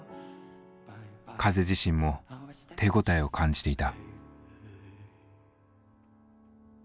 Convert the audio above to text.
風自身も手応えを感じていた。